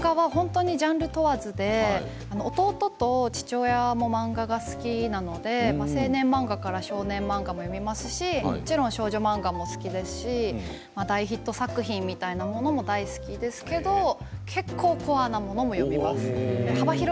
ジャンルを問わず弟と父親も漫画が好きなので青年漫画から少年漫画も読みますし少女漫画も好きですし大ヒット作品みたいなものも大好きですけど結構コアなものもよく見ています。